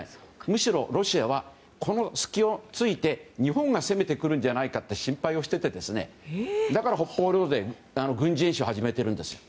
むしろロシアはこの隙を突いて日本が攻めてくるんじゃないかと心配していて、だから北方領土で軍事演習を始めているんです。